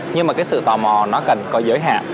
nhưng mà cái sự tò mò nó cần có giới hạn